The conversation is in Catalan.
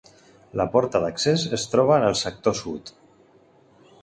La porta d'accés es troba en el sector sud.